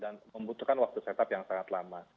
dan membutuhkan waktu setup yang sangat lama